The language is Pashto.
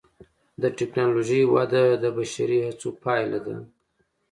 د ټکنالوجۍ وده د بشري هڅو پایله ده.